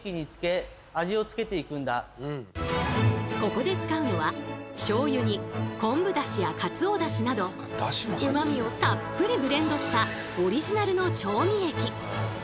ここで使うのはしょうゆに昆布だしやカツオだしなどうまみをたっぷりブレンドしたオリジナルの調味液。